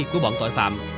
của bọn tội phạm